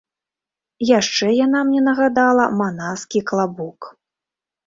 Яшчэ яна мне нагадала манаскі клабук.